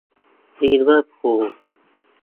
ลิเวอร์พูล